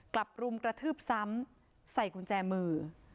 รุมกระทืบซ้ำใส่กุญแจมือ